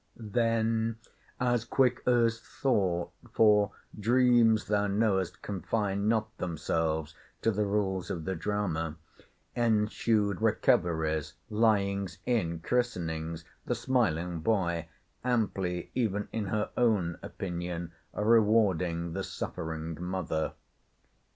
Then, as quick as thought (for dreams, thou knowest confine not themselves to the rules of the drama) ensued recoveries, lyings in, christenings, the smiling boy, amply, even in her own opinion, rewarding the suffering mother.